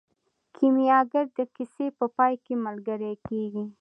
کیمیاګر د کیسې په پای کې ملګری کیږي.